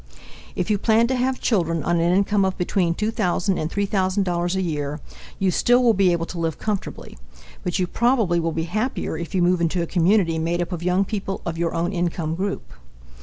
If you plan to have children on an income of between $2000 and $3000 a year, you still will be able to live comfortably, but you probably will be happier if you move into a community made up of young people of your own income group.